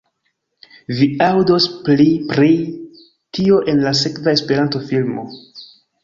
Vi aŭdos pli pri tio en la sekva Esperanto-filmo